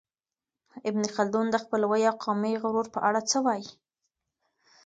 ابن خلدون د خپلوۍ او قومي غرور په اړه څه وايي؟